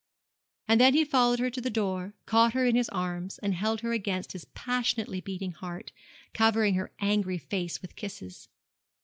And then he followed her to the door, caught her in his arms, and held her against his passionately beating heart, covering her angry face with kisses.